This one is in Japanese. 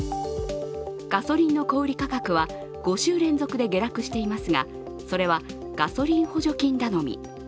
ガソリンの小売価格は５週連続で下落していますが、それはガソリン補助金頼み。